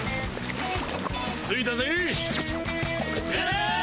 着いたぜ。